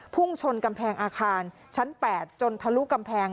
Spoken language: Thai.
พุ่งชนกำแพงอาคารชั้น๘จนทะลุกำแพง